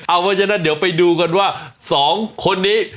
เพราะฉะนั้นเดี๋ยวไปดูกันว่า๒คนนี้